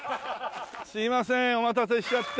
すみませんお待たせしちゃって。